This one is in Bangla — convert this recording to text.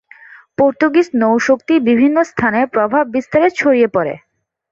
পর্তুগীজ নৌ শক্তি বিভিন্ন স্থানে প্রভাব বিস্তারে ছড়িয়ে পরে।